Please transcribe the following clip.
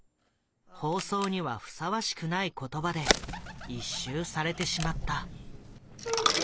放送にはふさわしくない言葉で一蹴されてしまった。